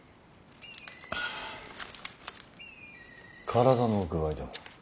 体の具合でも。